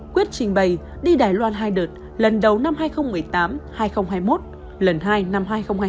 quyết trình bày đi đài loan hai đợt lần đầu năm hai nghìn một mươi tám hai nghìn hai mươi một lần hai năm hai nghìn hai mươi hai hai nghìn hai mươi ba